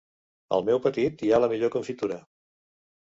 Al meu petit hi ha la millor confitura.